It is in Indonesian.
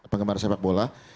penggemar sepak bola